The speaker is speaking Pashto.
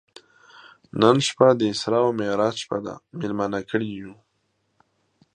نن شپه د اسرا او معراج شپه ده میلمانه کړي یو.